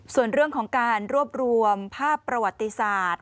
ส่วนเรื่องของการรวบรวมภาพประวัติศาสตร์